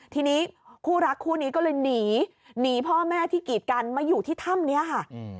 ทีนี้คู่รักคู่นี้ก็เลยหนีหนีพ่อแม่ที่กีดกันมาอยู่ที่ถ้ำนี้ค่ะ